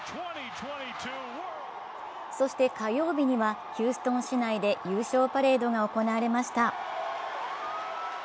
そして火曜日にはヒューストン市内で優勝パレードが行われました。